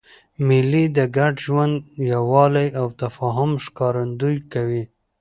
مېلې د ګډ ژوند، یووالي او تفاهم ښکارندویي کوي.